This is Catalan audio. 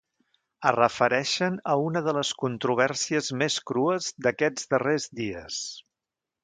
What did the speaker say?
Es refereixen a una de les controvèrsies més crues d’aquests darrers dies.